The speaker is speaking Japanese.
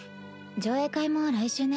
上映会も来週ね。